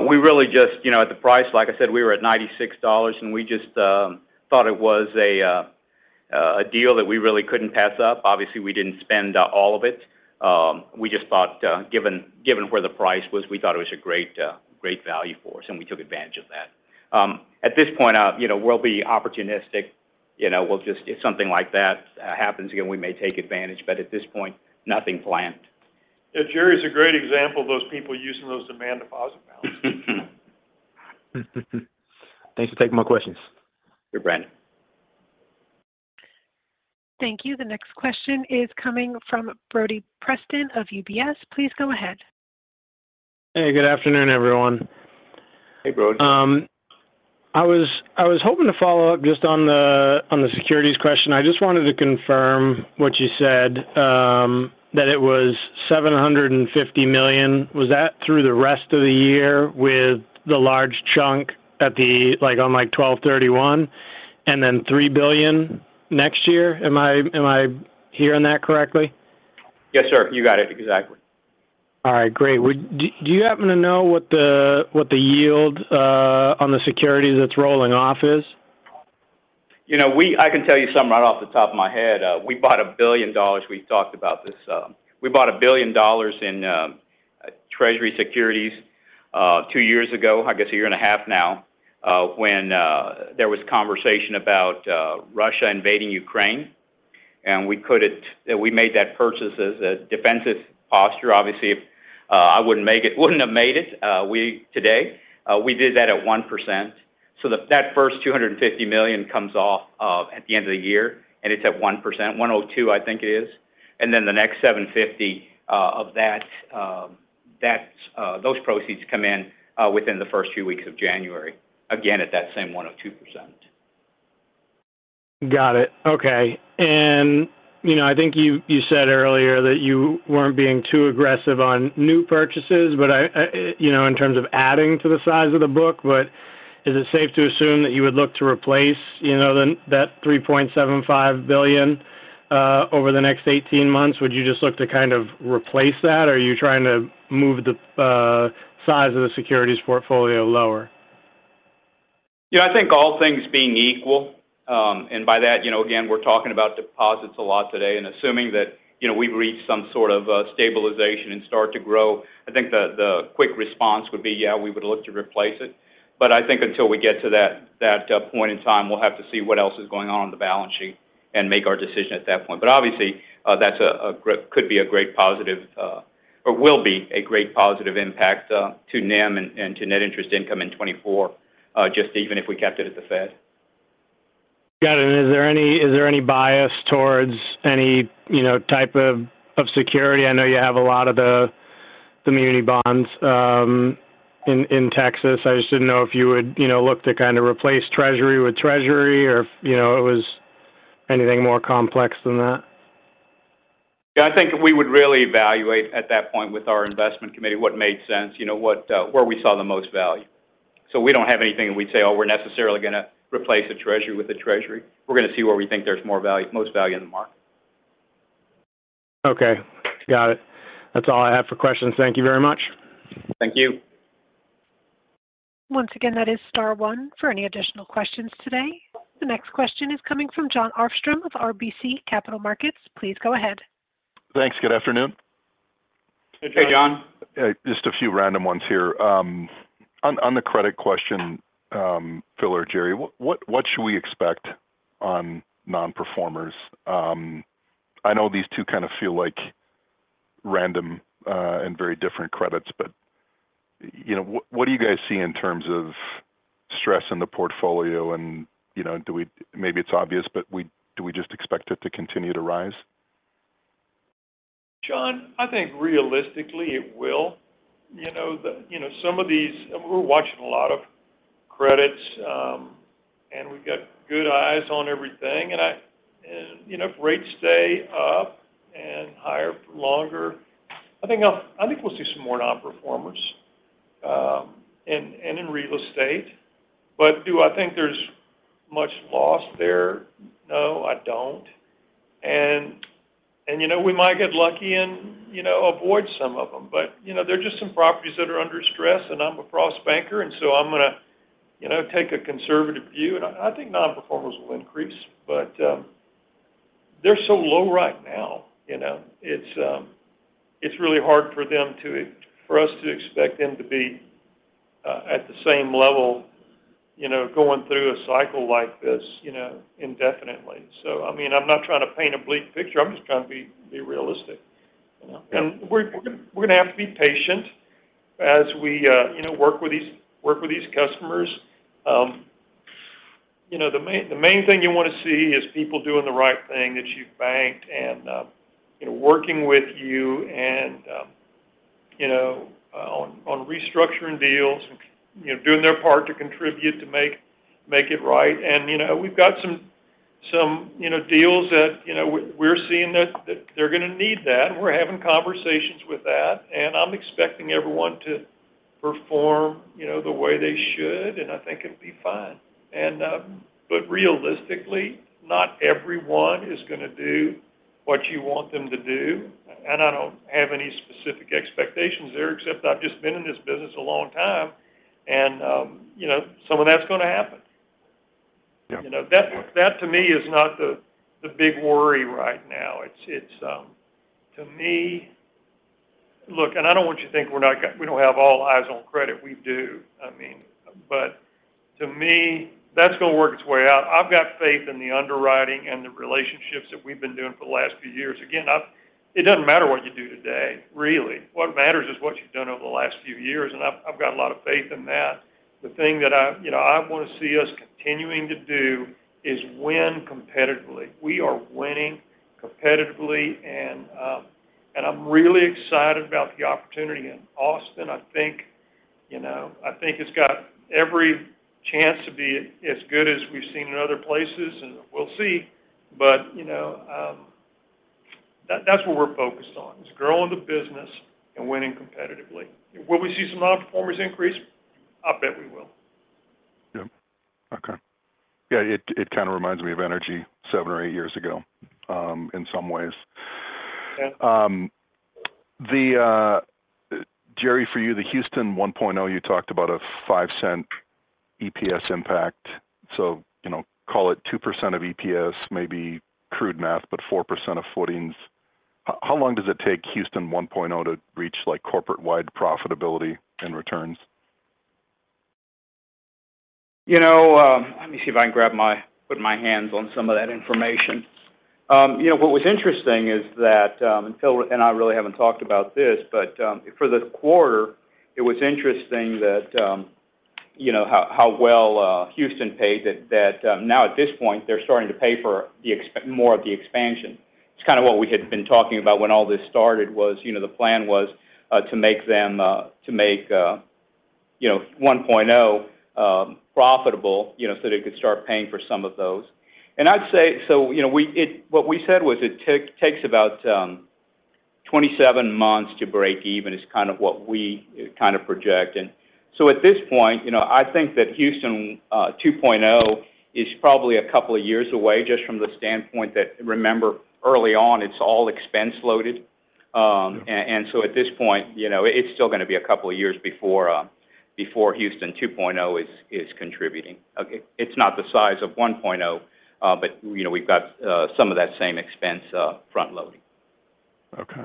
We really just, you know, at the price, like I said, we were at $96, thought it was a deal that we really couldn't pass up. We didn't spend all of it. We just thought, given where the price was, we thought it was a great value for us. We took advantage of that. At this point, you know, we'll be opportunistic. You know, if something like that happens again, we may take advantage. At this point, nothing planned.
Yeah, Jerry is a great example of those people using those demand deposit balances.
Thanks for taking my questions.
Sure, Brandon.
Thank you. The next question is coming from Brody Preston of UBS. Please go ahead.
Hey, good afternoon, everyone.
Hey, Brody.
I was hoping to follow up just on the, on the securities question. I just wanted to confirm what you said, that it was $750 million. Was that through the rest of the year with the large chunk at the, like, on, like, 12/31 and then $3 billion next year? Am I hearing that correctly?
Yes, sir, you got it. Exactly.
All right, great. Do you happen to know what the yield on the securities that's rolling off is?
You know, I can tell you something right off the top of my head. We bought $1 billion. We talked about this. We bought $1 billion in treasury securities two years ago, I guess a year and a half now, when there was conversation about Russia invading Ukraine, and we made that purchase as a defensive posture. Obviously, I wouldn't have made it, we, today. We did that at 1%. That first $250 million comes off at the end of the year, and it's at 1%. 1.02, I think it is. The next 750 of that, that, those proceeds come in within the first few weeks of January, again, at that same 1.02%.
Got it. Okay. You know, I think you said earlier that you weren't being too aggressive on new purchases, but I, you know, in terms of adding to the size of the book, but is it safe to assume that you would look to replace, you know, the, that $3.75 billion over the next 18 months? Would you just look to kind of replace that, or are you trying to move the size of the securities portfolio lower?
Yeah, I think all things being equal, By that, you know, again, we're talking about deposits a lot today, Assuming that, you know, we've reached some sort of stabilization and start to grow. I think the quick response would be, yeah, we would look to replace it, but I think until we get to that point in time, we'll have to see what else is going on on the balance sheet and make our decision at that point. Obviously, that's a... could be a great positive, or will be a great positive impact to NIM and to net interest income in 2024, just even if we kept it at the Fed.
Got it. Is there any bias towards any, you know, type of security? I know you have a lot of the community bonds in Texas. I just didn't know if you would, you know, look to kind of replace Treasury with Treasury or if, you know, it was anything more complex than that.
Yeah, I think we would really evaluate at that point with our investment committee, what made sense, you know, what, where we saw the most value. We don't have anything, and we'd say, "Oh, we're necessarily going to replace a Treasury with a Treasury." We're going to see where we think there's most value in the market.
Okay. Got it. That's all I have for questions. Thank you very much.
Thank you.
Once again, that is star one for any additional questions today. The next question is coming from Jon Arfstrom of RBC Capital Markets. Please go ahead.
Thanks. Good afternoon.
Hey, Jon.
Just a few random ones here. On the credit question, Phil or Jerry, what should we expect on nonperformers? I know these two kind of feel like random and very different credits, but, you know, what do you guys see in terms of stress in the portfolio? You know, do we just expect it to continue to rise?
Jon, I think realistically, it will. You know, you know, some of these... We're watching a lot of credits, and we've got good eyes on everything, and I, you know, if rates stay up and higher for longer, I think, I think we'll see some more nonperformers, and in real estate. Do I think there's much loss there? No, I don't. You know, we might get lucky and, you know, avoid some of them, but, you know, there are just some properties that are under stress, and I'm a Frost banker, and so I'm going to, you know, take a conservative view, and I think nonperformers will increase, but they're so low right now, you know? It's really hard for us to expect them to be at the same level, you know, going through a cycle like this, you know, indefinitely. I mean, I'm not trying to paint a bleak picture. I'm just trying to be realistic, you know? We're going to have to be patient as we, you know, work with these customers. You know, the main thing you want to see is people doing the right thing, that you've banked and, you know, working with you and, you know, on restructuring deals and, you know, doing their part to contribute to make it right. You know, we've got some, you know, deals that, you know, we're seeing that they're going to need that. We're having conversations with that, and I'm expecting everyone to perform, you know, the way they should, and I think it'll be fine. But realistically, not everyone is going to do what you want them to do. I don't have any specific expectations there, except I've just been in this business a long time, and, you know, some of that's going to happen.
Yeah.
You know, that to me, is not the big worry right now. It's to me. Look, I don't want you to think we don't have all eyes on credit. We do. I mean, to me, that's going to work its way out. I've got faith in the underwriting and the relationships that we've been doing for the last few years. Again, it doesn't matter what you do today, really. What matters is what you've done over the last few years, I've got a lot of faith in that. The thing that I, you know, I want to see us continuing to do is win competitively. We are winning competitively, I'm really excited about the opportunity in Austin. I think, you know, I think it's got every chance to be as good as we've seen in other places, and we'll see. You know, that, that's what we're focused on, is growing the business and winning competitively. Will we see some nonperformers increase? I bet we will.
Yeah. Okay. Yeah. It kind of reminds me of energy seven or eight years ago, in some ways.
Yeah.
Jerry, for you, the Houston 1.0, you talked about a $0.05 EPS impact. You know, call it 2% of EPS, maybe crude math, but 4% of footings. How long does it take Houston 1.0 to reach, like, corporate-wide profitability and returns?
You know, let me see if I can put my hands on some of that information. You know, what was interesting is that, and Phil and I really haven't talked about this, but for the quarter, it was interesting that, you know, how well Houston paid it, that now at this point, they're starting to pay for the more of the expansion. It's kind of what we had been talking about when all this started was, you know, the plan was to make them to make, you know, 1.0, profitable, you know, so they could start paying for some of those. I'd say, you know, what we said was it takes about 27 months to break even is kind of what we kind of project. At this point, you know, I think that Houston 2.0 is probably a couple of years away, just from the standpoint that, remember, early on, it's all expense-loaded. At this point, you know, it's still going to be a couple of years before Houston 2.0 is contributing. Okay. It's not the size of 1.0, but, you know, we've got some of that same expense front loading.
Okay.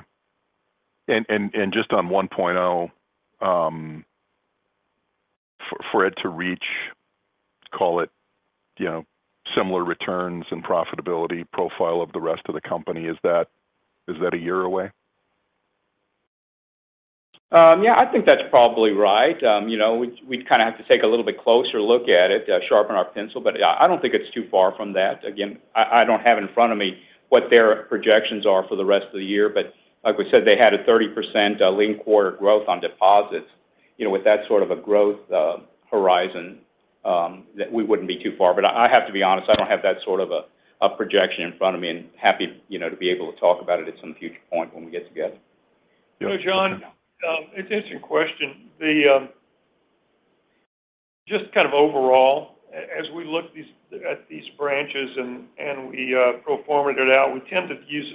Just on 1.0, for it to reach, call it, you know, similar returns and profitability profile of the rest of the company, is that a year away?
Yeah, I think that's probably right. You know, we, we'd kind of have to take a little bit closer look at it, sharpen our pencil, but yeah, I don't think it's too far from that. Again, I don't have in front of me what their projections are for the rest of the year, but like we said, they had a 30% link quarter growth on deposits. You know, with that sort of a growth horizon, that we wouldn't be too far. I have to be honest, I don't have that sort of a projection in front of me, and happy, you know, to be able to talk about it at some future point when we get together.
You know, Jon, it's an interesting question. The just kind of overall, as we look at these branches and we pro forma it out, we tend to use,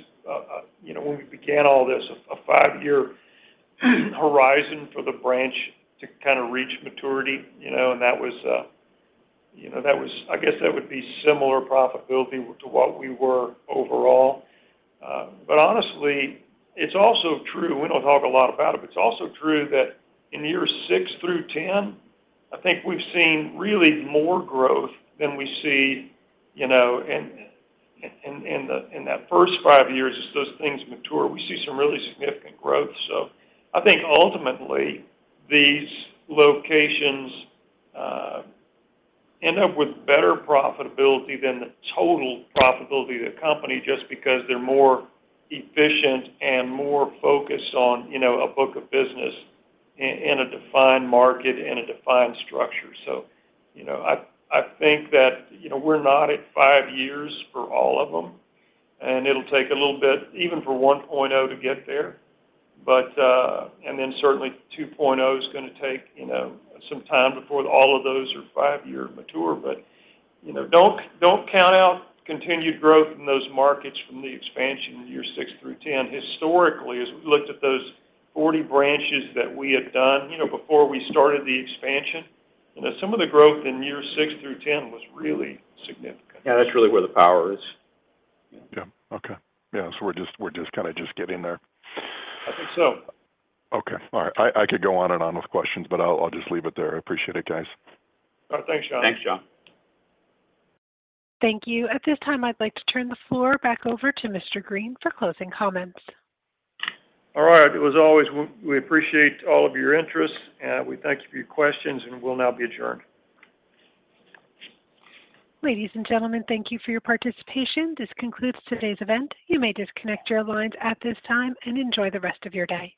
you know, when we began all this, a five-year horizon for the branch to kind of reach maturity, you know, and that was, you know, I guess that would be similar profitability to what we were overall. Honestly, it's also true, we don't talk a lot about it, but it's also true that in years six through 10, I think we've seen really more growth than we see, you know, in that first five years, as those things mature, we see some really significant growth. I think ultimately, these locations end up with better profitability than the total profitability of the company just because they're more efficient and more focused on, you know, a book of business in, in a defined market, in a defined structure. You know, I think that, you know, we're not at five years for all of them, and it'll take a little bit, even for 1.0 to get there. Then certainly 2.0 is going to take, you know, some time before all of those are five-year mature, but you know, don't, don't count out continued growth in those markets from the expansion in year six through 10. Historically, as we looked at those 40 branches that we had done, you know, before we started the expansion, you know, some of the growth in years six through 10 was really significant.
Yeah, that's really where the power is.
Yeah. Okay. Yeah, we're just kind of just getting there.
I think so.
Okay. All right. I could go on and on with questions, but I'll just leave it there. I appreciate it, guys.
Thanks, John.
Thanks, Jon.
Thank you. At this time, I'd like to turn the floor back over to Mr. Green for closing comments.
All right. We appreciate all of your interest, and we thank you for your questions, and we'll now be adjourned.
Ladies and gentlemen, thank you for your participation. This concludes today's event. You may disconnect your lines at this time and enjoy the rest of your day.